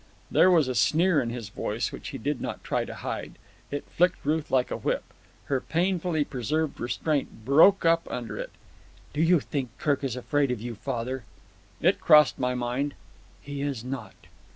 There was a sneer in his voice which he did not try to hide. It flicked Ruth like a whip. Her painfully preserved restraint broke up under it. "Do you think Kirk is afraid of you, father?" "It crossed my mind." "He is not."